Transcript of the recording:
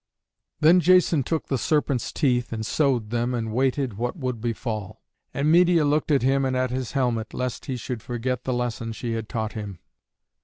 Then Jason took the serpents' teeth and sowed them, and waited what would befall. And Medeia looked at him and at his helmet, lest he should forget the lesson she had taught him.